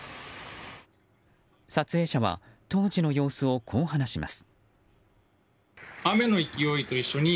撮影者は当時の様子をこう話します。